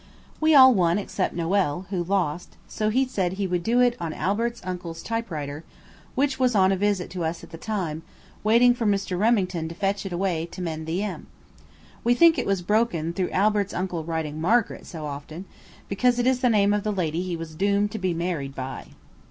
We all won except Noël, who lost, so he said he would do it on Albert's uncle's typewriter, which was on a visit to us at the time, waiting for Mr. Remington to fetch it away to mend the "M." We think it was broken through Albert's uncle writing "Margaret" so often, because it is the name of the lady he was doomed to be married by.